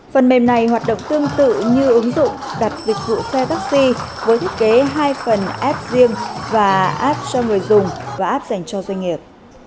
phần mềm này hoạt động tương tự như ứng dụng đặt dịch vụ xe taxi với thiết kế hai phần app riêng và app cho người dùng và app dành cho doanh nghiệp